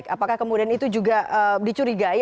apakah kemudian itu juga dicurigai